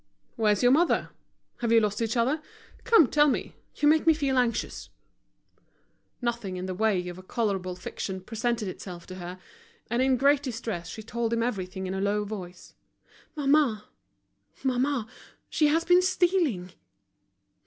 "Where's your mother? Have you lost each other? Come, tell me, you make me feel anxious." Nothing in the way of a colourable fiction presented itself to her, and in great distress she told him everything in a low voice: "Mamma, mamma—she has been stealing."